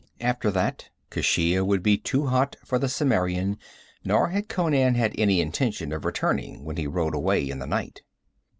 After that Keshia would be too hot for the Cimmerian, nor had Conan had any intention of returning when he rode away in the night.